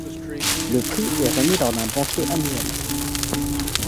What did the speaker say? Le prix est remis lors d'un banquet annuel.